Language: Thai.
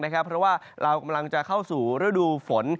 เพราะว่าเรากำลังจะเข้าสู่ฤดูฝน